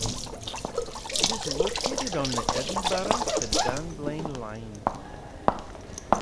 It is located on the Edinburgh to Dunblane Line.